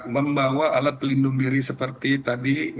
membawa alat pelindung diri seperti tadi